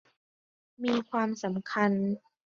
มีความสำคัญ